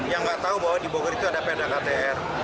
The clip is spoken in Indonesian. yang nggak tahu bahwa di bogor itu ada perda ktr